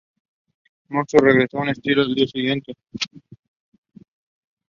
Marzouki regresó de su exilio al día siguiente.